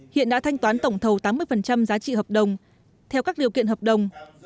hiện đã thanh toán tổng thầu tám mươi giá trị hợp đồng theo các điều kiện hợp đồng